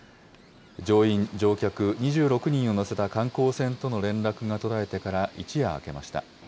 乗員・乗客２６人を乗せた観光船との連絡が途絶えてから一夜明けました。